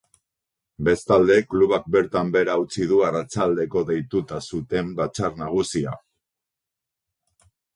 Bestalde, klubak bertan behera utzi du arratsalderako deituta zuten batzar nagusia.